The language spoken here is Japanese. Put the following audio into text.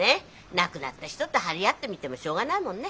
亡くなった人と張り合ってみてもしょうがないもんね。